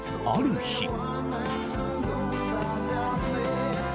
ある日